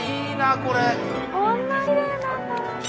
こんなにきれいなんだ！